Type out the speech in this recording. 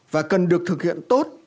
và cần được thực hiện tốt